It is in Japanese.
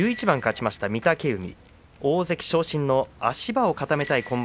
１１番勝ちました御嶽海大関昇進の足場を固めたい